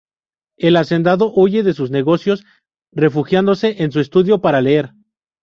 El hacendado huye de sus negocios refugiándose en su estudio para leer.